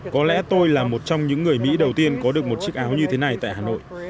có lẽ tôi là một trong những người mỹ đầu tiên có được một chiếc áo như thế này tại hà nội